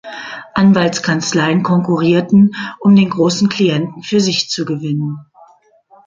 Anwaltskanzleien konkurrierten, um den großen Klienten für sich zu gewinnen.